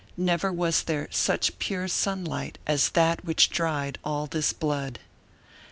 Never was there such pure sunlight as that which dried all this blood.